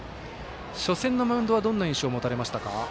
初戦のマウンドはどんな印象を持たれましたか？